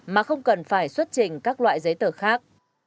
mà không cần phải xuất trình các loại giấy tờ khác